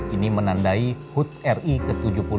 ini menandai hut ri ke tujuh puluh dua